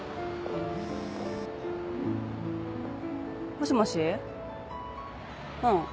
もしもしうん。